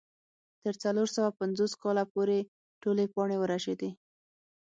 تر څلور سوه پنځوس کاله پورې ټولې پاڼې ورژېدې.